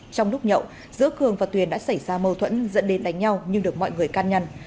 trong lúc nhậu giữa cường và tuyền đã xảy ra mâu thuẫn dẫn đến đánh nhau nhưng được mọi người can nhăn